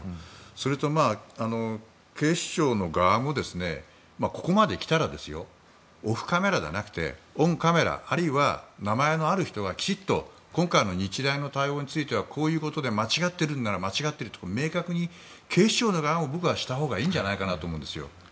それと警視庁の側もここまできたらオフカメラではなくてオンカメラあるいは名前のある人がきちんと今回の日大の対応についてはこういうことで間違ってるなら間違ってると警視庁の側も明確にしたほうがいいと思うんです。